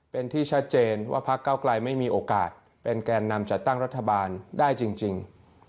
เป็นที่ชัดเจนว่าพักเก้าไกลไม่มีโอกาสเป็นแกนนำจัดตั้งรัฐบาลได้จริง